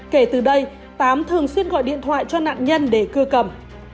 kể từ đây tám thường xuyên gọi điện thoại cho nạn nhân để cưa cầm